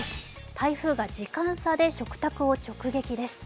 台風が時間差で食卓を直撃です。